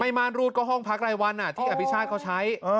ม่านรูดก็ห้องพักรายวันที่อภิชาติเขาใช้